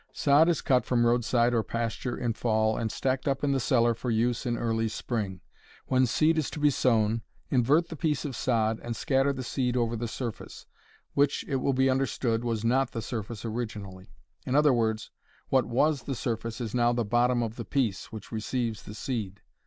Sod is cut from roadside or pasture in fall and stacked up in the cellar for use in early spring. When seed is to be sown, invert the piece of sod, and scatter the seed over the surface, which, it will be understood, was not the surface originally. In other words, what was the surface is now the bottom of the piece which receives the seed.